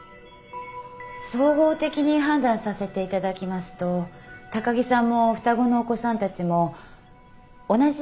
総合的に判断させていただきますと高木さんも双子のお子さんたちも同じ症状だと考えられます。